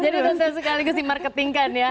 jadi untuk saya sekaligus di marketingkan ya harmonylash